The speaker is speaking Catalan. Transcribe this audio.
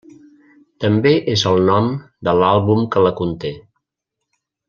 També és el nom de l'àlbum que la conté.